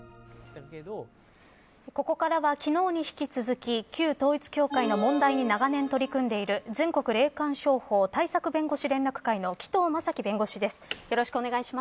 ここからは昨日に引き続き旧統一教会の問題に長年取り組んでいる全国霊感商法対策弁護士連絡会の紀藤正樹弁護士です。